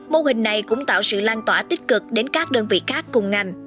mô hình này cũng tạo sự lan tỏa tích cực đến các đơn vị khác cùng ngành